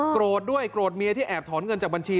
โกรธด้วยโกรธเมียที่แอบถอนเงินจากบัญชี